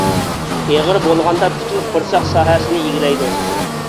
ئېغىر بولغاندا پۈتۈن قورساق ساھەسىنى ئىگىلەيدۇ.